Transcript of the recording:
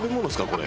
これ。